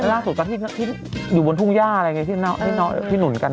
ล่าสุดก็ที่อยู่บนพุ่งหญ้าอะไรอย่างนี้ที่น้องพี่หนุนกันอ่ะ